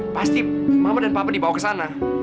pasti mama dan papa dibawa ke sana